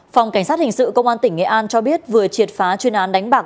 phòng cảnh sát hình sự công an tỉnh nghệ an cho biết vừa triệt phá chuyên án đánh bạc